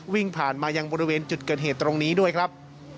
วิ่งผ่านมายังบริเวณจุดเกิดเหตุตรงนี้ด้วยครับ